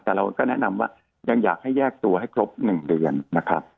แต่เราก็แนะนำว่ายังอยากให้แยกตัวให้ครบ๑เดือนนะครับ